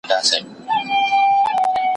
درسونه لوستل کړه،